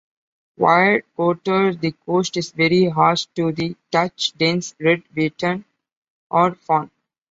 Wire-coated, the coat is very harsh to the touch, dense, red-wheaten or fawn.